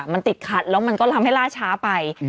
มันติดขัดแล้วมันก็ทำให้ล่าช้าไป